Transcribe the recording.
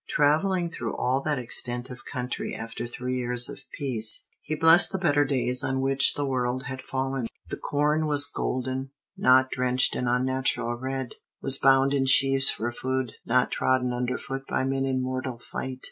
Traveling through all that extent of country after three years of peace, he blessed the better days on which the world had fallen. The corn was golden, not drenched in unnatural red; was bound in sheaves for food, not trodden underfoot by men in mortal fight.